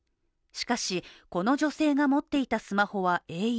しかし、この女性が持っていたスマホはａｕ。